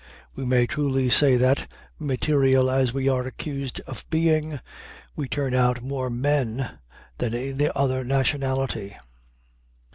We may truly say that, material as we are accused of being, we turn out more men than any other nationality.